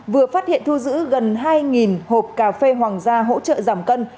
vừa phát hiện thu giữ gần hai hộp cà phê hoàng gia hỗ trợ giảm cân